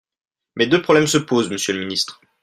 Mais deux problèmes se posent, monsieur le ministre.